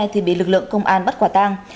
thì bị lực lượng công an bắt quả tang